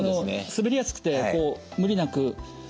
滑りやすくて無理なく。